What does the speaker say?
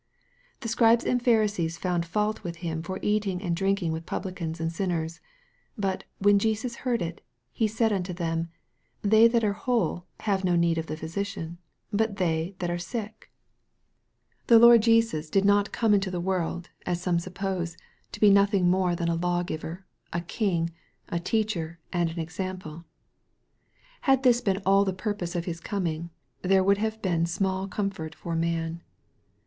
The Scribes and Pharisees found fault with Him for eating and drinking with publicans and sinners. But " when Jesus heard it, He saith unto them, They that are whole have no need of the physician, but they that are sick " MAEK, CHAP. II. 33 The Lord Jesus did not come into the world, aa some suppose, to be nothing more than a law giver, a king, a teacher, and an example. Had this been all the pur pose of His coming, there would have been small com fort for man.